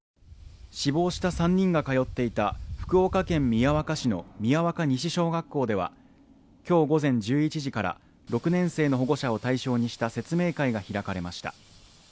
死亡した３人が通っていた福岡県宮若市の宮若西小学校では、今日午前１１時から６年生の保護者を対象にした説明会が開かれました。